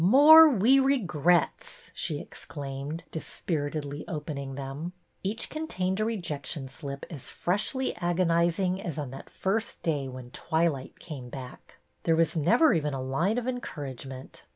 '' More ' we regrets' !" she exclaimed, dispir itedly opening them. Each contained a rejection slip as freshly agonizing as on that first day when '' Twilight " came back. There was never even a line of en couragement.